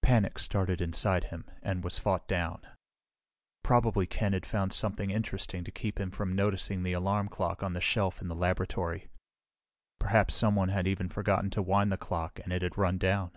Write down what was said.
Panic started inside him and was fought down. Probably Ken had found something interesting to keep him from noticing the alarm clock on a shelf in the laboratory. Perhaps someone had even forgotten to wind the clock and it had run down.